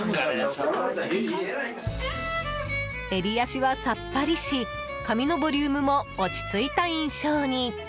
襟足はさっぱりし髪のボリュームも落ち着いた印象に。